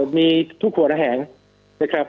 เอ่อมีทุกขวรแห่งนะครับ